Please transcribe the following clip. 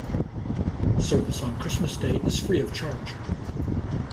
Service on Christmas Day is free of charge.